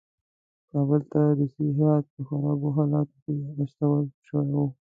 کابل ته روسي هیات په خرابو حالاتو کې استول شوی وو.